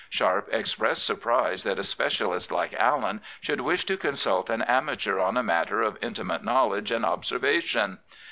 Sharp expressed surprise that a specialist like Allen should wish to consult an amateur on a matter of intimate knowledge and observation.